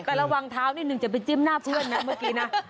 แต่ระวังเท้านิดนึงจะไปจิ้มหน้าเพื่อนนะเมื่อกี้นะ